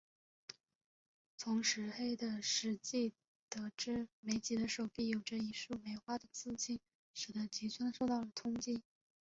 从石黑的日记得知美几的手臂有着一束梅花的刺青使得吉村受到了冲击。